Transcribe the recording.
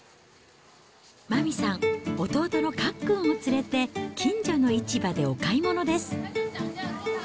麻美さん、弟のかっくんを連れて、近所の市場でお買い物です。